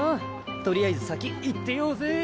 とりあえず先行ってようぜ。